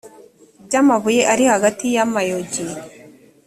by amabuye ari hagati y amayogi